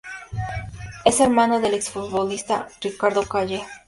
Es hermano del ex-futbolista Ricardo Calle.